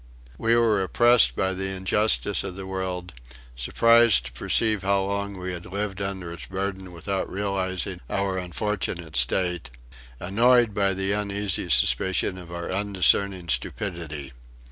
We were oppressed by the injustice of the world, surprised to perceive how long we had lived under its burden without realising our unfortunate state, annoyed by the uneasy suspicion of our undiscerning stupidity.